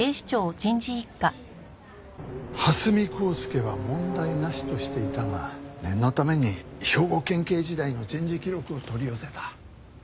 蓮見光輔は問題なしとしていたが念のために兵庫県警時代の人事記録を取り寄せた。